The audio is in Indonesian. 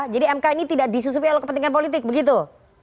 jadi mk ini tidak disusupi oleh kepentingan politik begitu